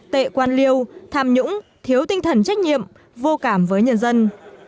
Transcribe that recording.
tệ quan liêu tham nhũng thiếu tinh thần trách nhiệm vô cảm với nhân dân